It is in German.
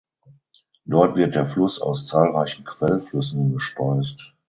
Dort wird der Fluss aus zahlreichen Quellflüssen gespeist.